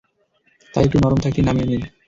তাই একটু নরম থাকতেই নামিয়ে নিন।